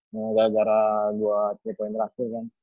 gara gara dua tiga poin terakhir kan